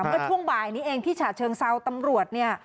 ก็ท่วงบ่ายนี้เองที่ฉาเชิงเซาตำรวจ